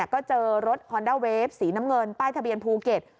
ก็เจอรถฮอนด้าเวฟสีน้ำเงินป้ายทะเบียนภูเก็ต